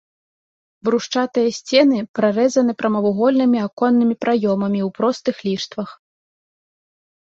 Брусчатыя сцены прарэзаны прамавугольнымі аконнымі праёмамі ў простых ліштвах.